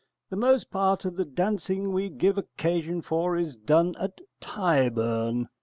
The most part of the dancing we give occasion for is done at Tyburn.